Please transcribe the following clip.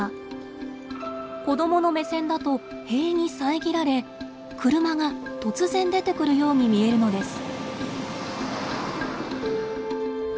子どもの目線だと塀に遮られ車が突然出てくるように見えるのです。